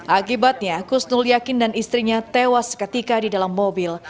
akibatnya kusnul yakin dan istrinya tewas seketika di dalam mobil